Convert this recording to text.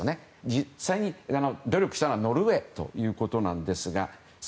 実際に努力したのはノルウェーということなんですが。